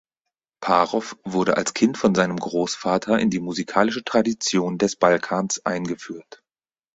Parov wurde als Kind von seinem Großvater in die musikalische Tradition des Balkans eingeführt.